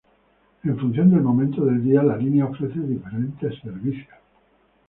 En función del momento del día, la línea ofrece diferentes servicios.